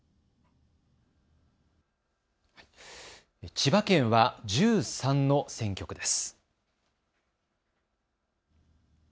千葉県は１３の選挙区です。